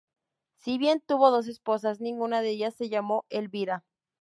Si bien tuvo dos esposas, ninguna de ellas se llamó Elvira.